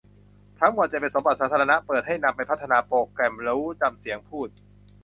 ทั้งหมดจะเป็นสมบัติสาธารณะ เปิดให้นำไปพัฒนาโปรแกรมรู้จำเสียงพูด